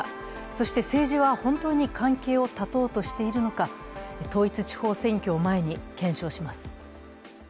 そして政治は本当に関係を断とうとしているのか、統一地方選挙を前に検証します。